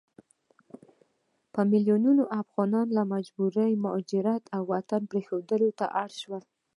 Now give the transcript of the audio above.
په ميلونونو افغانان له مجبوري مهاجرت او وطن پريښودو ته اړ کړل شوي